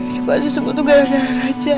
aku pasti sebut tuh gak ada yang rajak